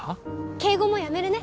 敬語もやめるね